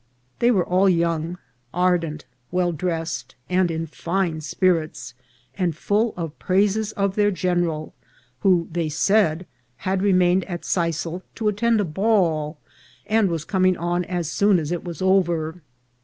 They were all young, ardent, well dressed, and in fine spirits, and full of praises of their general, who, they said, had remained at Sisal to attend a ball, and was coining on as soon a? EMBARCATION FOR HAVANA. 461 it was over.